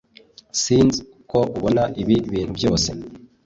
sinz uko ubona ibi bintu byose